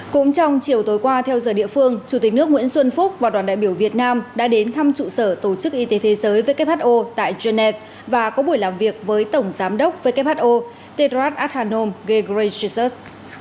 cũng trong chiều tối qua theo giờ địa phương chủ tịch nước nguyễn xuân phúc và đoàn đại biểu việt nam đã đến thăm trụ sở tổ chức y tế thế giới who tại genève và có buổi làm việc với tổng giám đốc who tedrad athanom ghegreyssers